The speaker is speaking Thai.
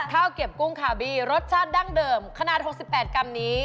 ข้าวเก็บกุ้งคาร์บีรสชาติดั้งเดิมขนาด๖๘กรัมนี้